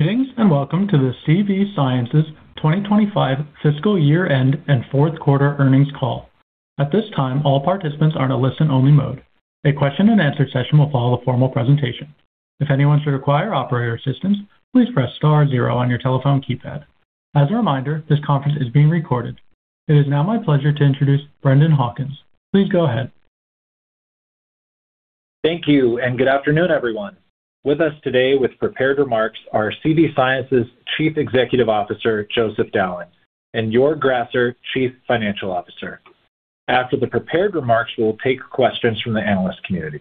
Greetings and welcome to the CV Sciences 2025 fiscal year-end and fourth quarter earnings call. At this time, all participants are in a listen-only mode. A question and answer session will follow the formal presentation. If anyone should require operator assistance, please press star zero on your telephone keypad. As a reminder, this conference is being recorded. It is now my pleasure to introduce Brendan Hawkins. Please go ahead. Thank you, and good afternoon, everyone. With us today with prepared remarks are CV Sciences Chief Executive Officer, Joseph Dowling, and Joerg Grasser, Chief Financial Officer. After the prepared remarks, we will take questions from the analyst community.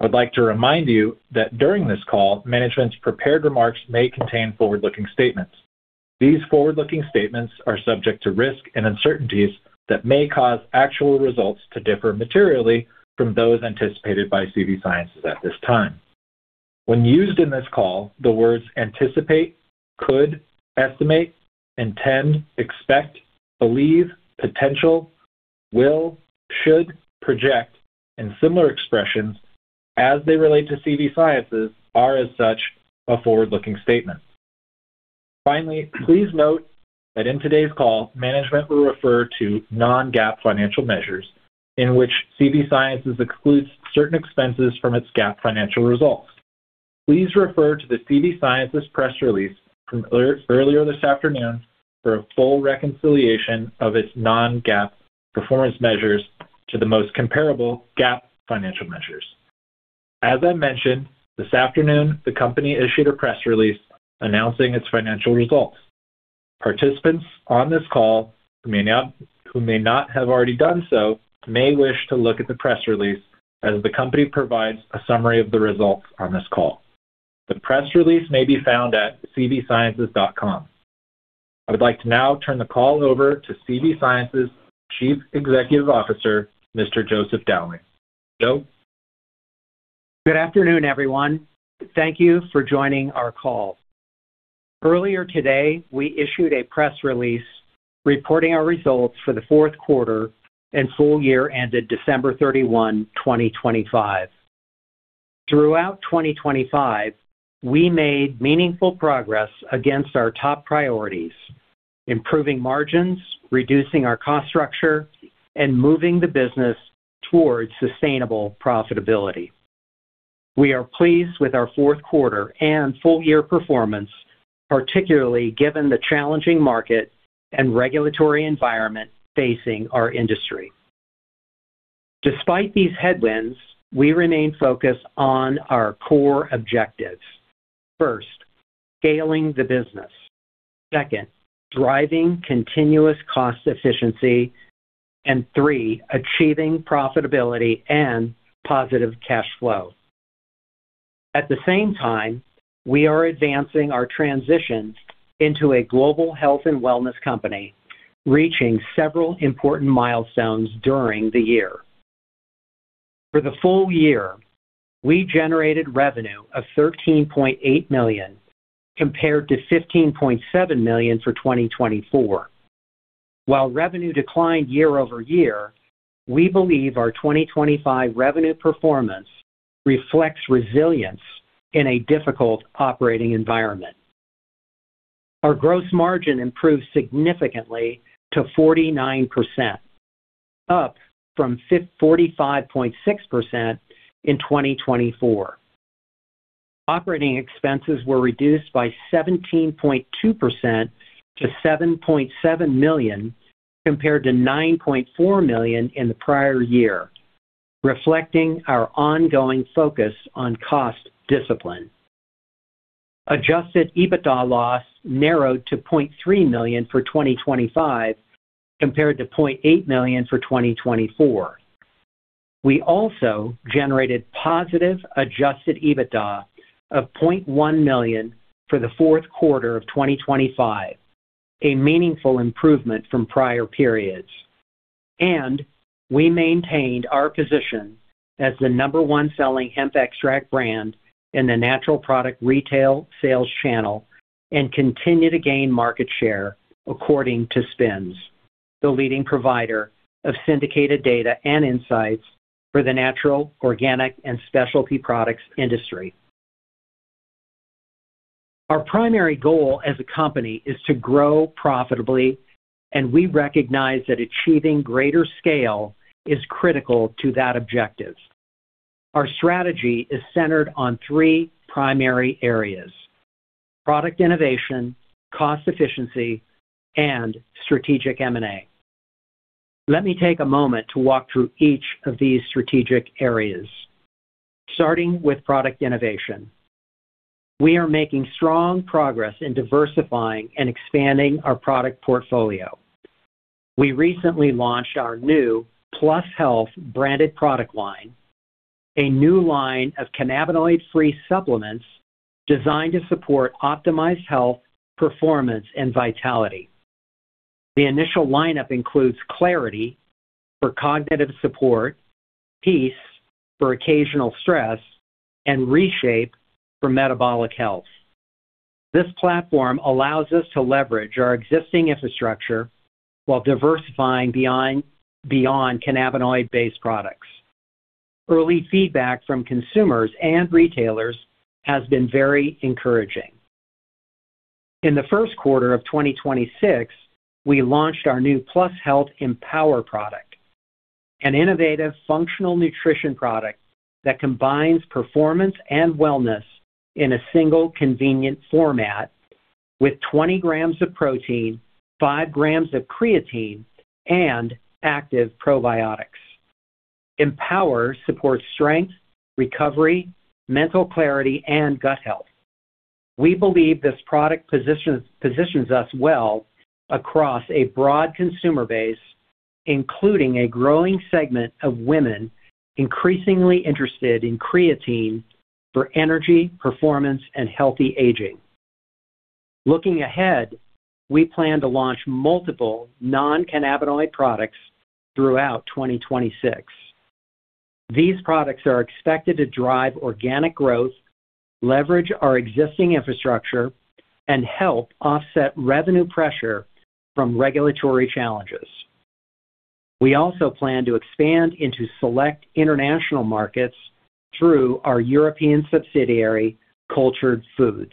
I would like to remind you that during this call, management's prepared remarks may contain forward-looking statements. These forward-looking statements are subject to risks and uncertainties that may cause actual results to differ materially from those anticipated by CV Sciences at this time. When used in this call, the words anticipate, could, estimate, intend, expect, believe, potential, will, should, project, and similar expressions as they relate to CV Sciences are as such a forward-looking statement. Finally, please note that in today's call management will refer to non-GAAP financial measures in which CV Sciences excludes certain expenses from its GAAP financial results. Please refer to the CV Sciences press release from earlier this afternoon for a full reconciliation of its non-GAAP performance measures to the most comparable GAAP financial measures. As I mentioned, this afternoon the company issued a press release announcing its financial results. Participants on this call who may not have already done so may wish to look at the press release as the company provides a summary of the results on this call. The press release may be found at cvsciences.com. I would like to now turn the call over to CV Sciences Chief Executive Officer, Mr. Joseph Dowling. Joe? Good afternoon, everyone. Thank you for joining our call. Earlier today, we issued a press release reporting our results for the fourth quarter and full year ended December 31, 2025. Throughout 2025, we made meaningful progress against our top priorities, improving margins, reducing our cost structure, and moving the business towards sustainable profitability. We are pleased with our fourth quarter and full year performance, particularly given the challenging market and regulatory environment facing our industry. Despite these headwinds, we remain focused on our core objectives. First, scaling the business. Second, driving continuous cost efficiency. Three, achieving profitability and positive cash flow. At the same time, we are advancing our transition into a global health and wellness company, reaching several important milestones during the year. For the full year, we generated revenue of $13.8 million compared to $15.7 million for 2024. While revenue declined year-over-year, we believe our 2025 revenue performance reflects resilience in a difficult operating environment. Our gross margin improved significantly to 49%, up from 45.6% in 2024. Operating expenses were reduced by 17.2% to $7.7 million, compared to $9.4 million in the prior year, reflecting our ongoing focus on cost discipline. Adjusted EBITDA loss narrowed to $0.3 million for 2025 compared to $0.8 million for 2024. We also generated positive adjusted EBITDA of $0.1 million for the fourth quarter of 2025, a meaningful improvement from prior periods. We maintained our position as the number one selling hemp extract brand in the natural product retail sales channel and continue to gain market share according to SPINS, the leading provider of syndicated data and insights for the natural, organic, and specialty products industry. Our primary goal as a company is to grow profitably, and we recognize that achieving greater scale is critical to that objective. Our strategy is centered on three primary areas, Product Innovation, Cost Efficiency, and Strategic M&A. Let me take a moment to walk through each of these strategic areas. Starting with Product Innovation. We are making strong progress in diversifying and expanding our product portfolio. We recently launched our new +PlusHLTH branded product line, a new line of cannabinoid-free supplements designed to support optimized health, performance, and vitality. The initial lineup includes Clarity for cognitive support, Peace for occasional stress, and ReShape for metabolic health. This platform allows us to leverage our existing infrastructure while diversifying beyond cannabinoid-based products. Early feedback from consumers and retailers has been very encouraging. In the first quarter of 2026, we launched our new +PlusHLTH Empowr product, an innovative functional nutrition product that combines performance and wellness in a single convenient format with 20 g of protein, 5 g of creatine and active probiotics. Empowr supports strength, recovery, mental clarity, and gut health. We believe this product positions us well across a broad consumer base, including a growing segment of women increasingly interested in creatine for energy, performance, and healthy aging. Looking ahead, we plan to launch multiple non-cannabinoid products throughout 2026. These products are expected to drive organic growth, leverage our existing infrastructure, and help offset revenue pressure from regulatory challenges. We also plan to expand into select international markets through our European subsidiary, Cultured Foods.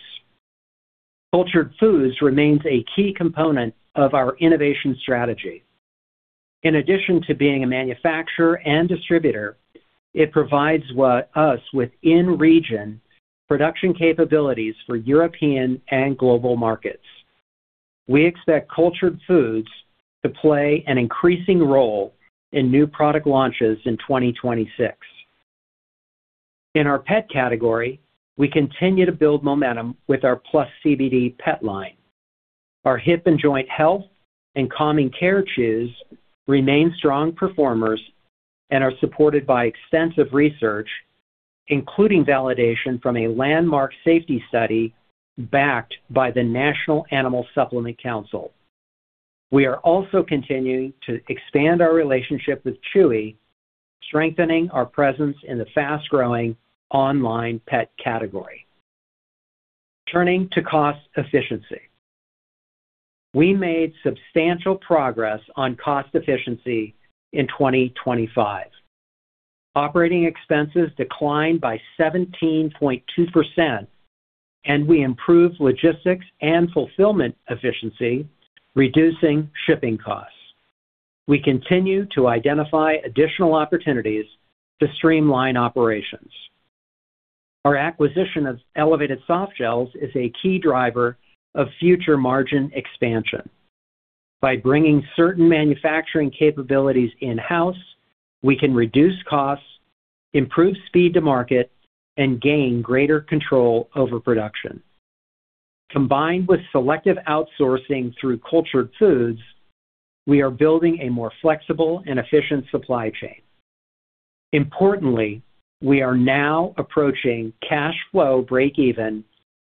Cultured Foods remains a key component of our innovation strategy. In addition to being a manufacturer and distributor, it provides us with in-region production capabilities for European and global markets. We expect Cultured Foods to play an increasing role in new product launches in 2026. In our pet category, we continue to build momentum with our +PlusCBD Pet line. Our Hip and Joint Health and Calming Care Chews remain strong performers and are supported by extensive research, including validation from a landmark safety study backed by the National Animal Supplement Council. We are also continuing to expand our relationship with Chewy, strengthening our presence in the fast-growing online pet category. Turning to Cost Efficiency. We made substantial progress on Cost Efficiency in 2025. Operating expenses declined by 17.2%, and we improved logistics and fulfillment efficiency, reducing shipping costs. We continue to identify additional opportunities to streamline operations. Our acquisition of Elevated Softgels is a key driver of future margin expansion. By bringing certain manufacturing capabilities in-house, we can reduce costs, improve speed to market, and gain greater control over production. Combined with selective outsourcing through Cultured Foods, we are building a more flexible and efficient supply chain. Importantly, we are now approaching cash flow break even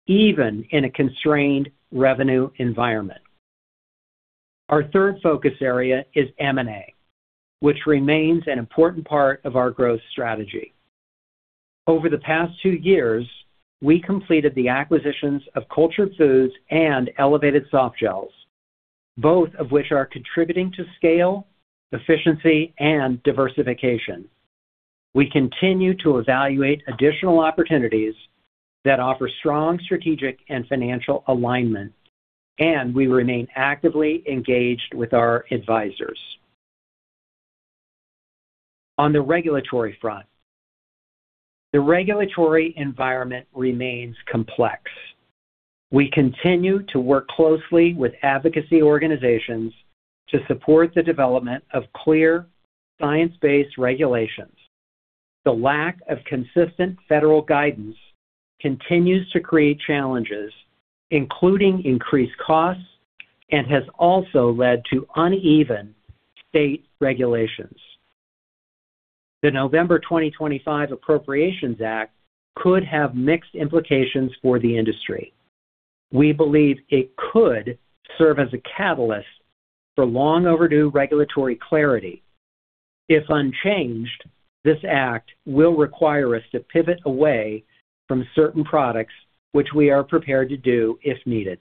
in a constrained revenue environment. Our third focus area is M&A, which remains an important part of our growth strategy. Over the past two years, we completed the acquisitions of Cultured Foods and Elevated Softgels, both of which are contributing to scale, efficiency, and diversification. We continue to evaluate additional opportunities that offer strong strategic and financial alignment, and we remain actively engaged with our advisors. On the regulatory front, the regulatory environment remains complex. We continue to work closely with advocacy organizations to support the development of clear, science-based regulations. The lack of consistent federal guidance continues to create challenges, including increased costs, and has also led to uneven state regulations. The November 2025 Appropriations Act could have mixed implications for the industry. We believe it could serve as a catalyst for long overdue regulatory clarity. If unchanged, this act will require us to pivot away from certain products, which we are prepared to do if needed.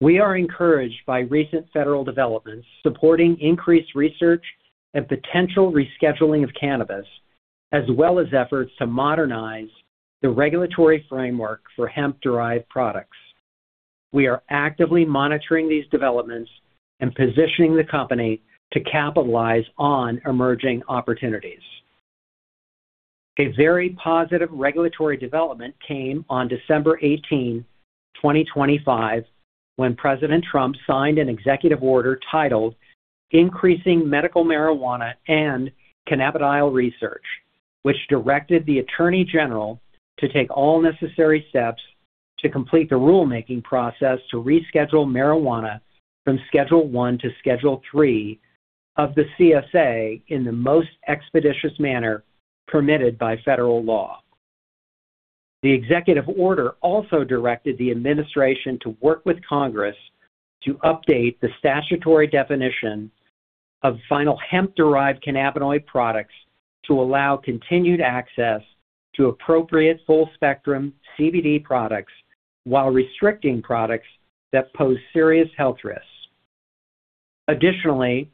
We are encouraged by recent federal developments supporting increased research and potential rescheduling of cannabis, as well as efforts to modernize the regulatory framework for hemp-derived products. We are actively monitoring these developments and positioning the company to capitalize on emerging opportunities. A very positive regulatory development came on December 18, 2025, when President Trump signed an executive order titled Increasing Medical Marijuana and Cannabidiol Research, which directed the Attorney General to take all necessary steps to complete the rulemaking process to reschedule marijuana from Schedule I to Schedule III of the CSA in the most expeditious manner permitted by federal law. The executive order also directed the administration to work with Congress to update the statutory definition of final hemp-derived cannabinoid products to allow continued access to appropriate full-spectrum CBD products while restricting products that pose serious health risks. Additionally,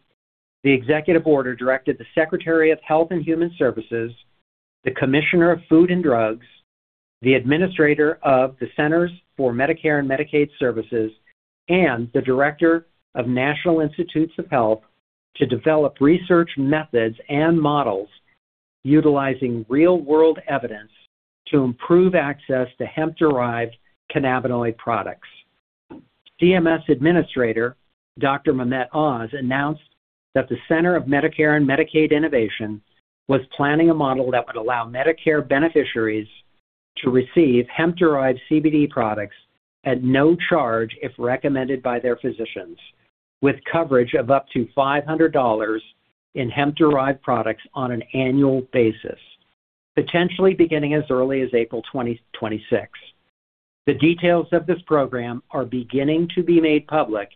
the executive order directed the Secretary of Health and Human Services, the Commissioner of Food and Drugs, the Administrator of the Centers for Medicare and Medicaid Services, and the Director of National Institutes of Health to develop research methods and models utilizing real-world evidence to improve access to hemp-derived cannabinoid products. CMS Administrator Dr. Mehmet Oz announced that the Center for Medicare and Medicaid Innovation was planning a model that would allow Medicare beneficiaries to receive hemp-derived CBD products at no charge if recommended by their physicians, with coverage of up to $500 in hemp-derived products on an annual basis, potentially beginning as early as April 2026. The details of this program are beginning to be made public,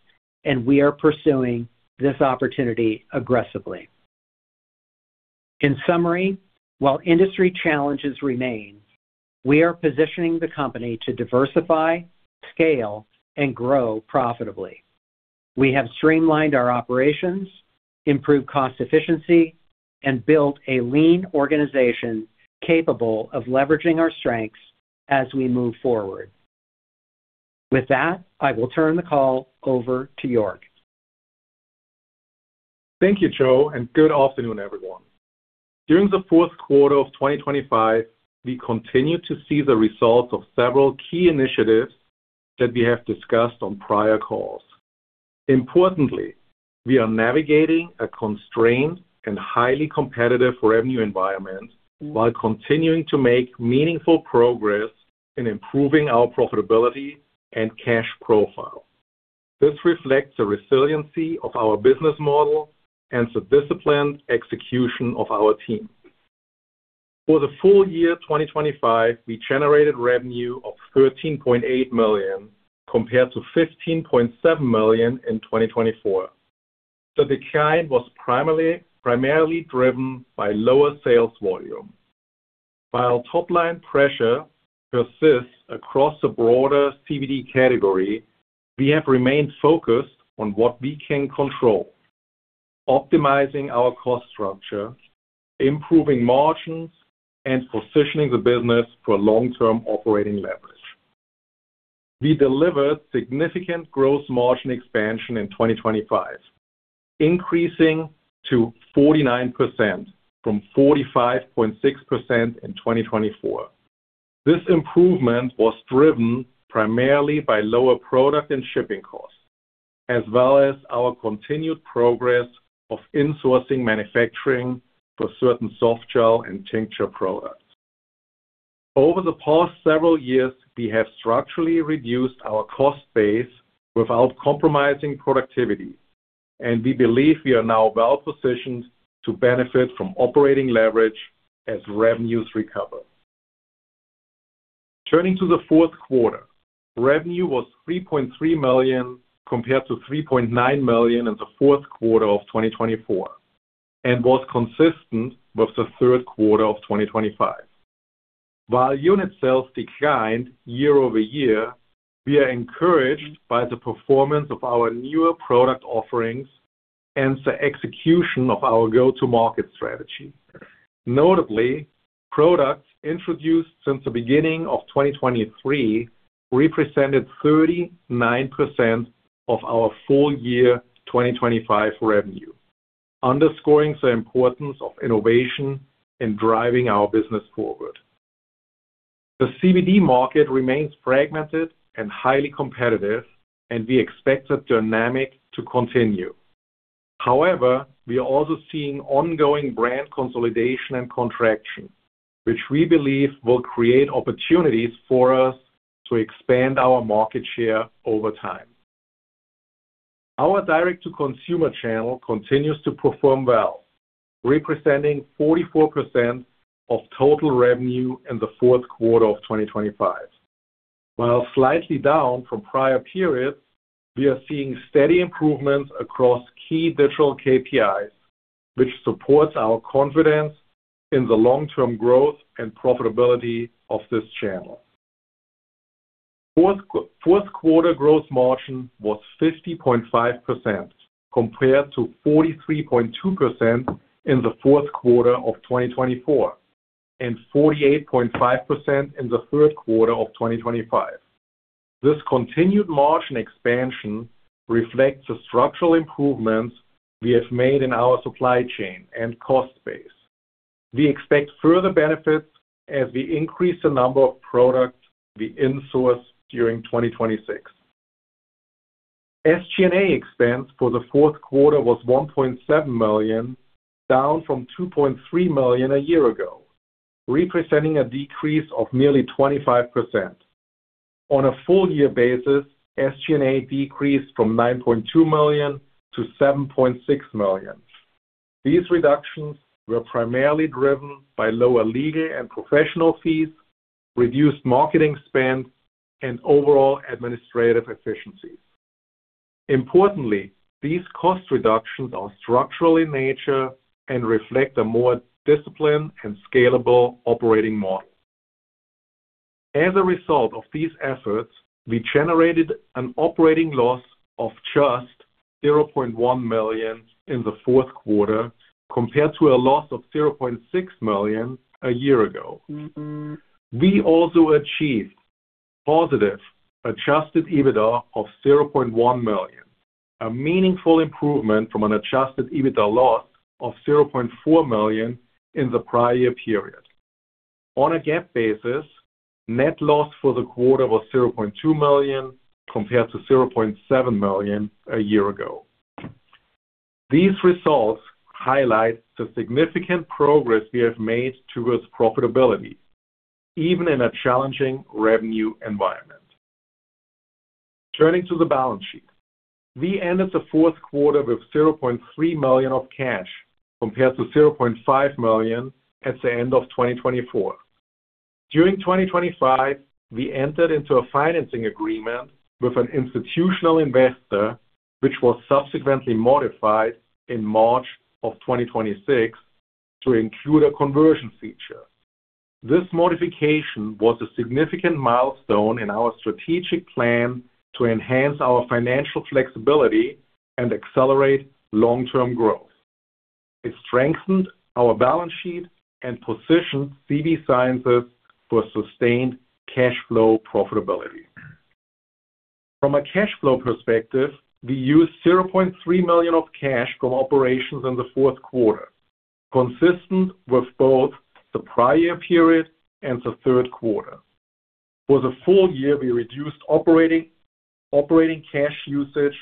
and we are pursuing this opportunity aggressively. In summary, while industry challenges remain, we are positioning the company to diversify, scale, and grow profitably. We have streamlined our operations, improved cost efficiency, and built a lean organization capable of leveraging our strengths as we move forward. With that, I will turn the call over to Joerg. Thank you, Joe, and good afternoon, everyone. During the fourth quarter of 2025, we continued to see the results of several key initiatives that we have discussed on prior calls. Importantly, we are navigating a constrained and highly competitive revenue environment while continuing to make meaningful progress in improving our profitability and cash profile. This reflects the resiliency of our business model and the disciplined execution of our team. For the full year 2025, we generated revenue of $13.8 million, compared to $15.7 million in 2024. The decline was primarily driven by lower sales volume. While top-line pressure persists across the broader CBD category, we have remained focused on what we can control, optimizing our cost structure, improving margins, and positioning the business for long-term operating leverage. We delivered significant gross margin expansion in 2025, increasing to 49% from 45.6% in 2024. This improvement was driven primarily by lower product and shipping costs, as well as our continued progress of insourcing manufacturing for certain softgel and tincture products. Over the past several years, we have structurally reduced our cost base without compromising productivity, and we believe we are now well-positioned to benefit from operating leverage as revenues recover. Turning to the fourth quarter, revenue was $3.3 million, compared to $3.9 million in the fourth quarter of 2024 and was consistent with the third quarter of 2025. While unit sales declined year-over-year, we are encouraged by the performance of our newer product offerings and the execution of our go-to-market strategy. Notably, products introduced since the beginning of 2023 represented 39% of our full year 2025 revenue, underscoring the importance of innovation in driving our business forward. The CBD market remains fragmented and highly competitive, and we expect the dynamic to continue. However, we are also seeing ongoing brand consolidation and contraction, which we believe will create opportunities for us to expand our market share over time. Our direct-to-consumer channel continues to perform well, representing 44% of total revenue in the fourth quarter of 2025. While slightly down from prior periods, we are seeing steady improvements across key digital KPIs, which supports our confidence in the long-term growth and profitability of this channel. Fourth quarter gross margin was 50.5%, compared to 43.2% in the fourth quarter of 2024 and 48.5% in the third quarter of 2025. This continued margin expansion reflects the structural improvements we have made in our supply chain and cost base. We expect further benefits as we increase the number of products we insourced during 2026. SG&A expense for the fourth quarter was $1.7 million, down from $2.3 million a year ago, representing a decrease of nearly 25%. On a full year basis, SG&A decreased from $9.2 million to $7.6 million. These reductions were primarily driven by lower legal and professional fees, reduced marketing spends, and overall administrative efficiencies. Importantly, these cost reductions are structural in nature and reflect a more disciplined and scalable operating model. As a result of these efforts, we generated an operating loss of just $0.1 million in the fourth quarter compared to a loss of $0.6 million a year ago. We also achieved positive adjusted EBITDA of $0.1 million, a meaningful improvement from an adjusted EBITDA loss of $0.4 million in the prior year period. On a GAAP basis, net loss for the quarter was $0.2 million, compared to $0.7 million a year ago. These results highlight the significant progress we have made towards profitability, even in a challenging revenue environment. Turning to the balance sheet. We ended the fourth quarter with $0.3 million of cash compared to $0.5 million at the end of 2024. During 2025, we entered into a financing agreement with an institutional investor, which was subsequently modified in March of 2026 to include a conversion feature. This modification was a significant milestone in our strategic plan to enhance our financial flexibility and accelerate long-term growth. It strengthened our balance sheet and positioned CV Sciences for sustained cash flow profitability. From a cash flow perspective, we used $0.3 million of cash from operations in the fourth quarter, consistent with both the prior period and the third quarter. For the full year, we reduced operating cash usage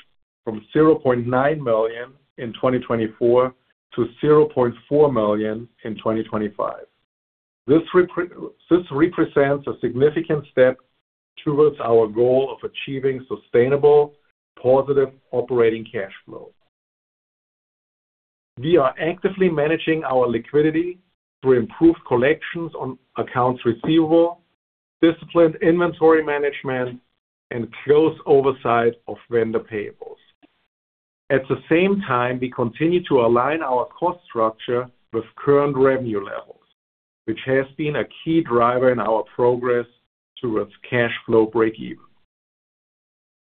from $0.9 million in 2024 to $0.4 million in 2025. This represents a significant step towards our goal of achieving sustainable positive operating cash flow. We are actively managing our liquidity through improved collections on accounts receivable, disciplined inventory management, and close oversight of vendor payables. At the same time, we continue to align our cost structure with current revenue levels, which has been a key driver in our progress towards cash flow break-even.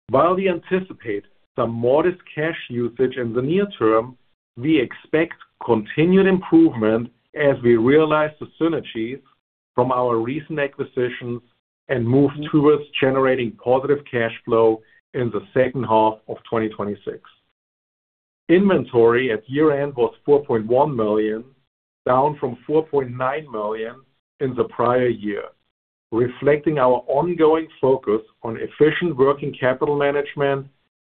While we anticipate some modest cash usage in the near term, we expect continued improvement as we realize the synergies from our recent acquisitions and move towards generating positive cash flow in the second half of 2026. Inventory at year-end was $4.1 million, down from $4.9 million in the prior year, reflecting our ongoing focus on efficient working capital management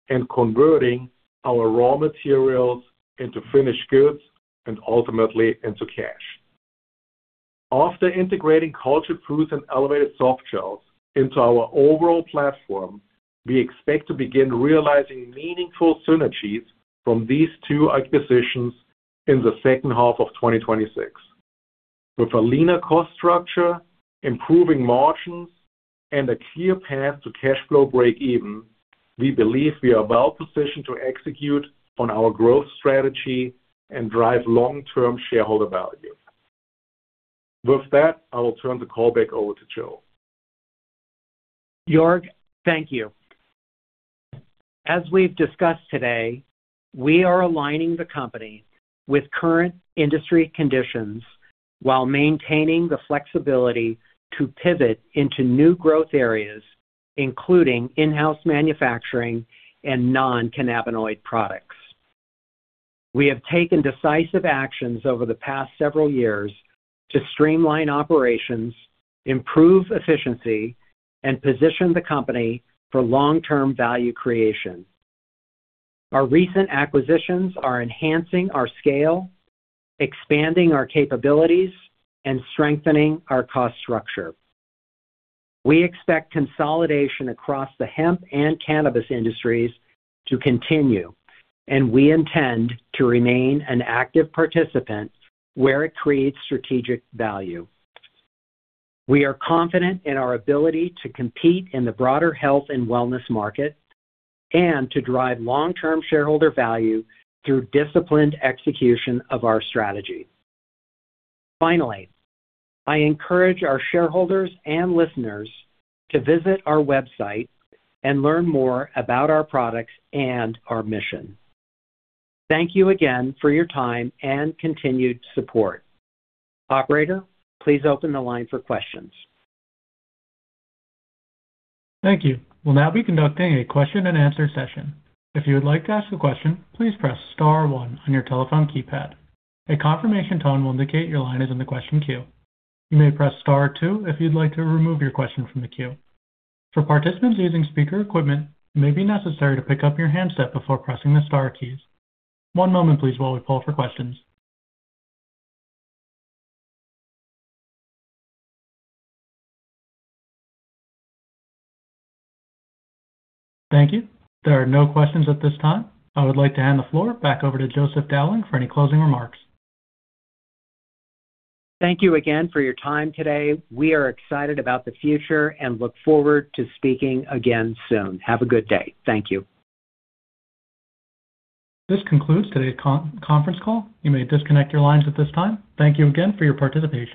and converting our raw materials into finished goods and ultimately into cash. After integrating Cultured Foods and Elevated Softgels into our overall platform, we expect to begin realizing meaningful synergies from these two acquisitions in the second half of 2026. With a leaner cost structure, improving margins, and a clear path to cash flow break even, we believe we are well-positioned to execute on our growth strategy and drive long-term shareholder value. With that, I will turn the call back over to Joe. Joerg, thank you. As we've discussed today, we are aligning the company with current industry conditions while maintaining the flexibility to pivot into new growth areas, including in-house manufacturing and non-cannabinoid products. We have taken decisive actions over the past several years to streamline operations, improve efficiency, and position the company for long-term value creation. Our recent acquisitions are enhancing our scale, expanding our capabilities, and strengthening our cost structure. We expect consolidation across the hemp and cannabis industries to continue, and we intend to remain an active participant where it creates strategic value. We are confident in our ability to compete in the broader health and wellness market and to drive long-term shareholder value through disciplined execution of our strategy. Finally, I encourage our shareholders and listeners to visit our website and learn more about our products and our mission. Thank you again for your time and continued support. Operator, please open the line for questions. Thank you. We'll now be conducting a question-and-answer session. If you like to ask a question, please press star one on your telephone keypad. One moment please while we pull for questions. Thank you. There are no questions at this time. I would like to hand the floor back over to Joseph Dowling for any closing remarks. Thank you again for your time today. We are excited about the future and look forward to speaking again soon. Have a good day. Thank you. This concludes today's conference call. You may disconnect your lines at this time. Thank you again for your participation.